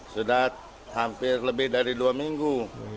sudah hampir lebih dari dua minggu